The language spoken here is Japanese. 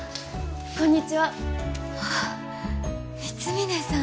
こんにちはああ光峯さん